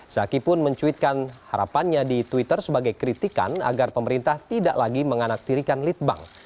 zaki pun mencuitkan harapannya di twitter sebagai kritikan agar pemerintah tidak lagi menganaktirikan lead bank